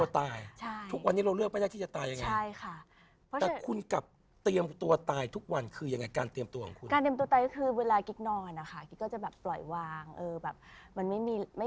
แต่บางคนมันกลัวไง